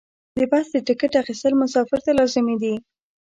د بس د ټکټ اخیستل مسافر ته لازمي دي.